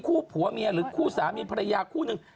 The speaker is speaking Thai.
ผัวเมียหรือคู่สามีภรรยาคู่หนึ่ง